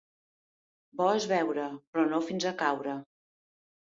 Bo és beure, però no fins a caure.